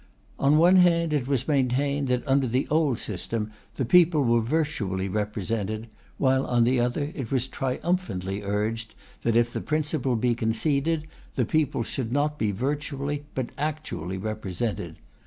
On one hand it was maintained, that, under the old system, the people were virtually represented; while on the other, it was triumphantly urged, that if the principle be conceded, the people should not be virtually, but actually, represented.